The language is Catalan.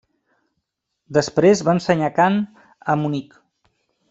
Després va ensenyar cant a Munic.